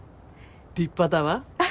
立派だわ。